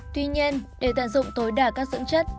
tuy nhiên để tận dụng tối đa các dưỡng chất